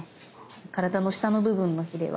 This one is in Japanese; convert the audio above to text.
体の下の部分のヒレは。